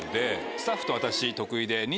スタッフと私徳井で。